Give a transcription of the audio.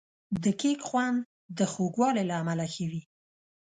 د کیک خوند د خوږوالي له امله ښه وي.